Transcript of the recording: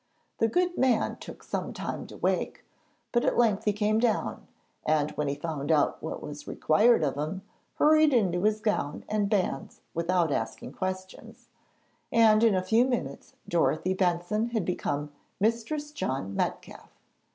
The good man took some time to wake, but at length he came down, and, when he found out what was required of him, hurried into his gown and bands without asking questions, and in a few minutes Dorothy Benson had become Mistress John Metcalfe.